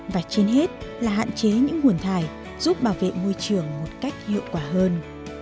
và trên hết là hạn chế những nguồn thải giúp bảo vệ môi trường một cách hiệu quả hơn